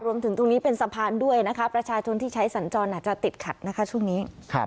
รวมถึงตรงนี้เป็นสะพานด้วยนะคะประชาชนที่ใช้สัญจรอาจจะติดขัดนะคะช่วงนี้